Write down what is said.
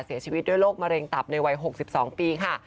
เสียชีวิตด้วยโรคมะเร็งตับในวัย๖๒ปีค่ะ